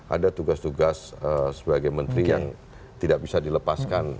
ada tugas tugas sebagai menteri yang tidak bisa dilepaskan